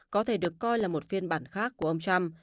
có thể được coi là một phiên bản khác của ông trump